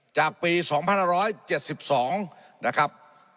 จากปี๒๕๗๒นะครับ